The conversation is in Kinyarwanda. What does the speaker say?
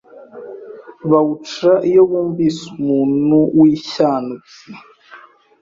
bawuca iyo bumvise umuntu w’inshyanutsi